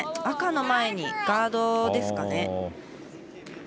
赤の前に、ガードですかね。